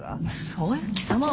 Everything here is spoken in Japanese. そういう貴様は分かる。